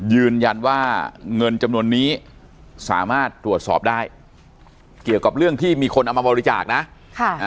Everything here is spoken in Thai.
ยืนยันว่าเงินจำนวนนี้สามารถตรวจสอบได้เกี่ยวกับเรื่องที่มีคนเอามาบริจาคนะค่ะอ่า